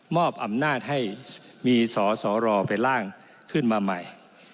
อำนาจให้มีสอสอรอเป็นร่างขึ้นมาใหม่